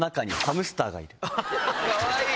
かわいい！